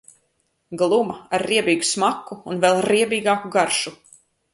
Gluma, ar riebīgu smaku un vēl riebīgāku garšu.